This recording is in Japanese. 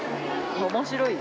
面白い？